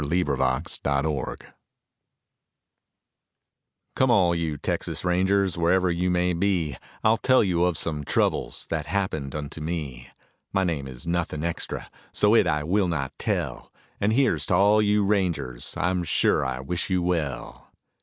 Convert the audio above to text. TEXAS RANGERS Come, all you Texas rangers, wherever you may be, I'll tell you of some troubles that happened unto me. My name is nothing extra, so it I will not tell, And here's to all you rangers, I am sure I wish you well.